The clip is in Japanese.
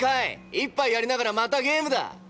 一杯やりながらまたゲームだ！。